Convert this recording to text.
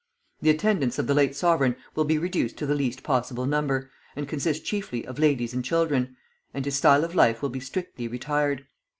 The attendants of the late sovereign will be reduced to the least possible number, and consist chiefly of ladies and children, and his style of life will be strictly retired.